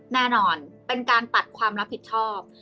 แน่นอนเป็นการปัดความรับผิดชอบ